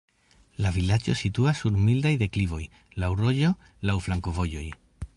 La vilaĝo situas sur mildaj deklivoj, laŭ rojo, laŭ flankovojoj.